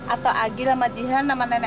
atau agil sama jihan sama nenek aja yuk